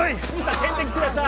点滴ください